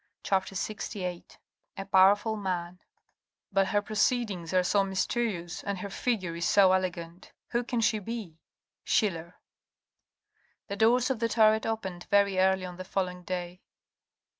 CHAPTER LXVIII A POWERFUL MAN But her proceedings are so mysterious and her figure is so elegant ! Who can she be ?— Schiller. The doors of the turret opened very early on the following day.